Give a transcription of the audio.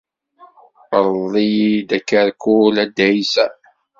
Rḍel-iyi-d akarkul a dda Ɛisa.